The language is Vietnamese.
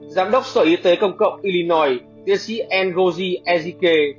giám đốc sở y tế công cộng illinois tiến sĩ ngozi ejike